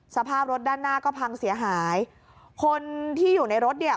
สภาพรถด้านหน้าก็พังเสียหายคนที่อยู่ในรถเนี่ย